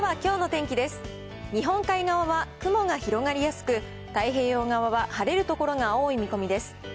日本海側は雲が広がりやすく、太平洋側は晴れる所が多い見込みです。